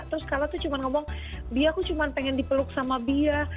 terus kala tuh cuman ngomong bia aku cuman pengen dipeluk sama bia